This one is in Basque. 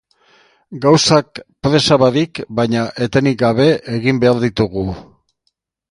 Gauzak presa barik, baina etenik gabe egin behar ditugu.